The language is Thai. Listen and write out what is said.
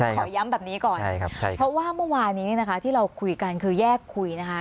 ขอย้ำแบบนี้ก่อนเพราะว่าเมื่อวานนี้ที่เราคุยกันคือแยกคุยนะคะ